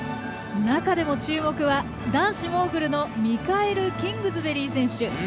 中でも注目は男子モーグルのミカエル・キングズベリー選手。